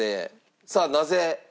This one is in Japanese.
さあなぜ？